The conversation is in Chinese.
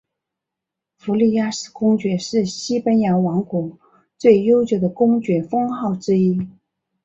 弗里亚斯公爵是西班牙王国最悠久的公爵封号之一。